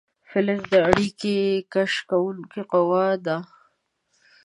فلزي اړیکه کش کوونکې قوه ده.